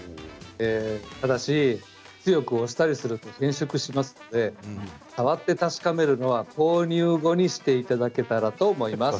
ただし強く押したりすると変色しますので触って確かめるのは購入後にしていただけたらと思います。